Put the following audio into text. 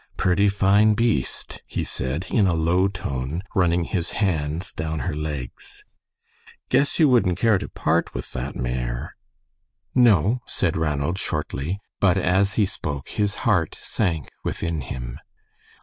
"Purty fine beast," he said, in a low tone, running his hands down her legs. "Guess you wouldn't care to part with that mare?" "No," said Ranald, shortly; but as he spoke his heart sank within him.